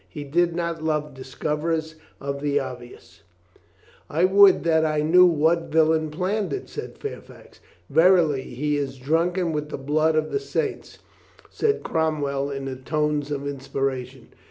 He did not love discoverers of the obvious. 400 COLONEL GREATHEART "I would that I knew what villain planned it," said Fairfax. "Verily he Is drunken with the blood of the saints!" said Cromwell in the tones of inspiration.